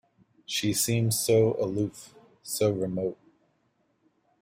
She seems so aloof, so remote.